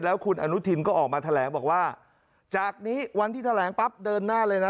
แล้วคุณอนุทินก็ออกมาแถลงบอกว่าจากนี้วันที่แถลงปั๊บเดินหน้าเลยนะ